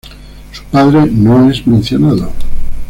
Su padre no es mencionado.